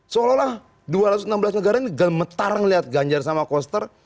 seolah olah dua ratus enam belas negara ini gemetar ngeliat ganjar sama koster